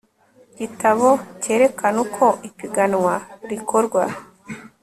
gitabo cyerekana uko ipiganwa rikorwa